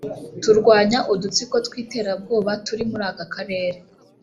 turwanya udutsiko tw’iterabwoba turi muri aka karere